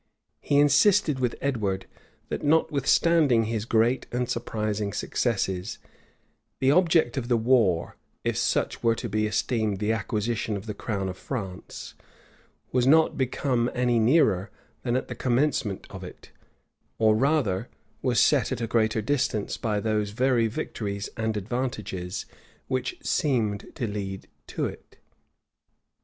He insisted with Edward, that, notwithstanding his great and surprising successes, the object of the war, if such were to be esteemed the acquisition of the crown of France, was not become any nearer than at the commencement of it; or rather, was set at a greater distance by those very victories and advantages which seemed to lead to it.